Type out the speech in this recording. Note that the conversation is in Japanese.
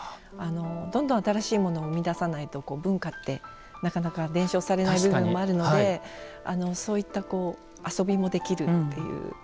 どんどん新しいものを生み出さないと文化って、なかなか伝承されない部分もあるのでそういった遊びもできるという。